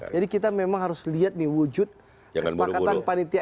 jadi kita memang harus lihat nih wujud kesepakatan panitia n satu ratus satu